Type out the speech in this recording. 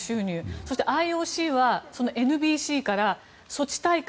そしてＩＯＣはＮＢＣからソチ大会